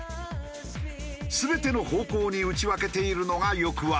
全ての方向に打ち分けているのがよくわかる。